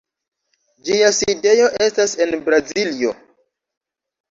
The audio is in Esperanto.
Ĝia sidejo estas en Braziljo.